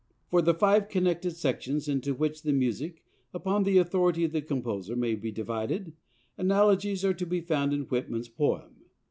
For the five connected sections into which the music, upon the authority of the composer, may be divided, analogies are to be found in Whitman's poem.